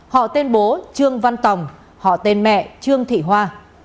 họ tên bố trương văn tòng họ tên mẹ trương thị hoa